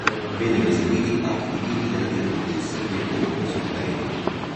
Vennero eseguiti anche i dipinti della Via Crucis, direttamente sulle pareti.